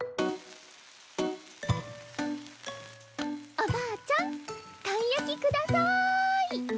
おばあちゃんたい焼き下さい。